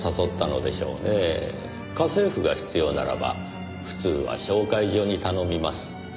家政婦が必要ならば普通は紹介所に頼みます。